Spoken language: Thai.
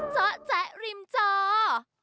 เจ้าแจ๊ะริมจ้า